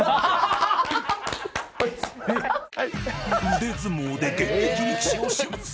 腕相撲で現役力士を瞬殺